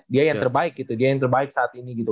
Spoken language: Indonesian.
dia yang terbaik gitu dia yang terbaik saat ini gitu